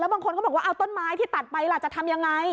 บางคนก็บอกว่าเอาต้นไม้ที่ตัดไปล่ะจะทำยังไง